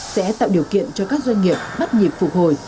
sẽ tạo điều kiện cho các doanh nghiệp bắt nhịp phục hồi